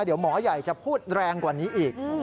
เดี๋ยวหมอใหญ่จะพูดแรงกว่านี้อีก